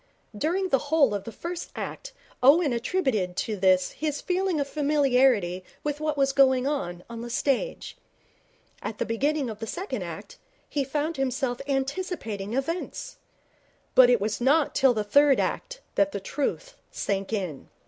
During the whole of the first act Owen attributed to this his feeling of familiarity with what was going on on the stage. At the beginning of the second act he found himself anticipating events. But it was not till the third act that the truth sank in.